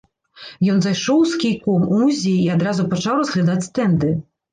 Ён зайшоў з кійком у музей і адразу пачаў разглядаць стэнды.